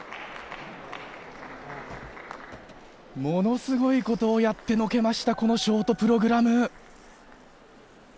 ものすごいことをやってのけました、このショートプログラム。